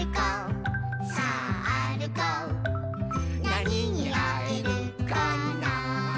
「なににあえるかな」